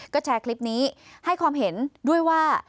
ก็แชร์คลิปนี้ให้ความเห็นด้วยว่า